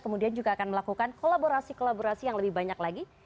kemudian juga akan melakukan kolaborasi kolaborasi yang lebih banyak lagi